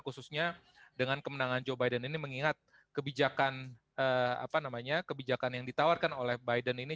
khususnya dengan kemenangan joe biden ini mengingat kebijakan yang ditawarkan oleh biden ini